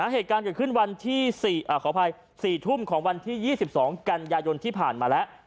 เหตุการณ์เกิดขึ้นวันที่ขออภัย๔ทุ่มของวันที่๒๒กันยายนที่ผ่านมาแล้ว